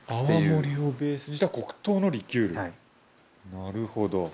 なるほど。